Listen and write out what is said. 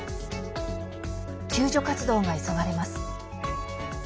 救助活動が急がれます。